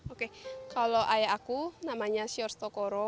oke kalau ayah aku namanya sjors tokoro